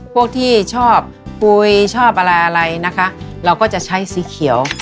พวกที่ชอบปุ๋ยชอบอะไรเราก็จะใช้สีเขียว